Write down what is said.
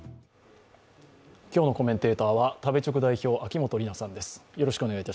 今日のコメンテーターは食べチョク代表、秋元里奈さんです